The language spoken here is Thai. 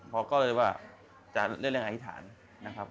พอก็เลยว่าจะเรื่องอธิษฐานนะครับ